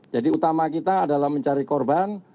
jadi utama kita adalah mencari korban